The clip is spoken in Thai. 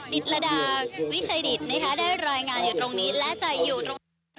ดิตรดาวิชัยดิตนะคะได้รายงานอยู่ตรงนี้และจะอยู่ตรง